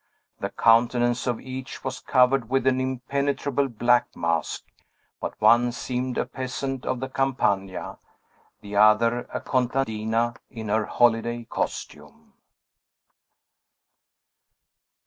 The countenance of each was covered with an impenetrable black mask; but one seemed a peasant of the Campagna; the other, a contadina in her holiday costume.